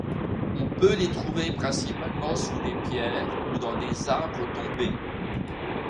On peut les trouver principalement sous des pierres ou dans des arbres tombés.